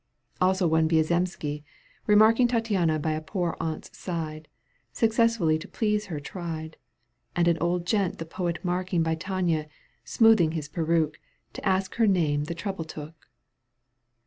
Also one Viazemski, remarking ' Tattiana by a poor aunt's side, Successfully to please her tried. And an old gent the poet marking By Tania^ smoothing his peruke, To ask her name the trouble took.